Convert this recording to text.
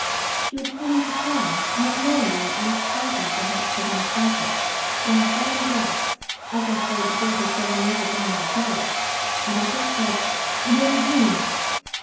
She was turning to fly, not knowing me, and frightened, perhaps, at my stature, when I fell on the grass (as I fell before her seven years agone that day), and I just said, 'Lorna Doone!'